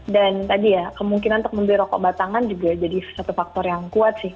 dan tadi ya kemungkinan untuk membeli rokok batangan juga jadi satu faktor yang kuat sih